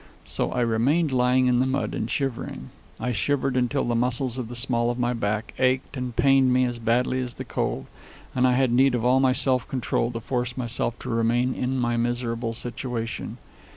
So I remained, lying in the mud and shivering. I shivered till the muscles of the small of my back ached and pained me as badly as the cold, and I had need of all my self control to force myself to remain in my miserable situation.